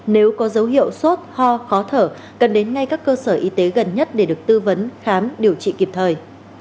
nếu có dấu hiệu sốt ho khó thở cần đến ngay các cơ sở y tế gần nhất để được tư vấn khám điều trị kịp thời